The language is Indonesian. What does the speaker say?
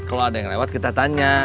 kalau ada yang lewat kita tanya